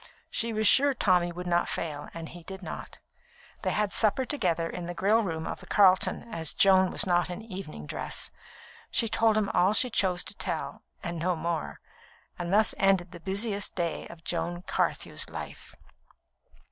She was sure that Tommy would not fail, and he did not. They had supper together in the grill room of the Carlton, as Joan was not in evening dress. She told him all she chose to tell, and no more; and thus ended the busiest day of Joan Carthew's life.